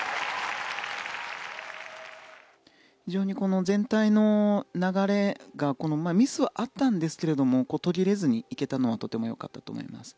非常に全体の流れがミスはあったんですけど途切れずに行けたのはとてもよかったと思います。